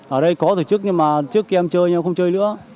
ở đây có tổ chức nhưng mà trước khi em chơi nhưng mà không chơi nữa